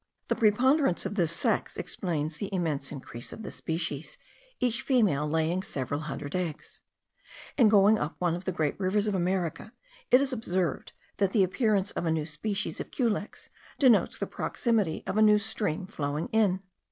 The preponderance of this sex explains the immense increase of the species, each female laying several hundred eggs. In going up one of the great rivers of America, it is observed, that the appearance of a new species of culex denotes the proximity of a new stream flowing in.